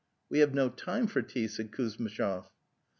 '" We have no time for tea,"' said Kuzmitchov.